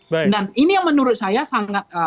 dan ini yang menurut saya sangat